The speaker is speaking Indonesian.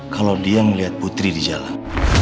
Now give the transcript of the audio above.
kalo dia ngeliat putri di jalan